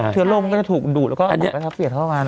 เทือนโลกมันก็จะถูกดูดแล้วก็ออกไปเปรียบเข้ามา